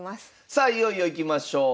さあいよいよいきましょう。